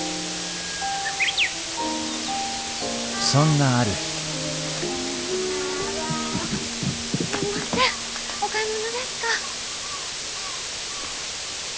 そんなある日あっすんませんお買い物ですか？